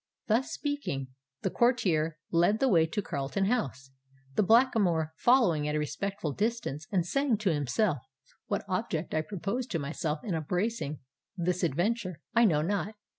Thus speaking, the courtier led the way to Carlton House, the Blackamoor following at a respectful distance, and saying to himself, "What object I propose to myself in embracing this adventure, I know not.